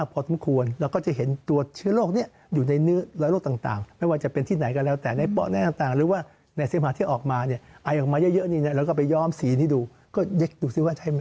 ก็ตรวจจัดดูว่าใช่หรือไม่